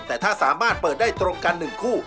แต่ถ้าสามารถเปิดได้ตรงกัน๑คู่